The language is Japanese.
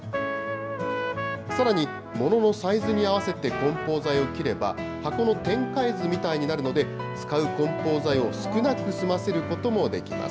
さらに、物のサイズに合わせてこん包材を切れば、箱の展開図みたいになるので、使うこん包材を少なく済ませることもできます。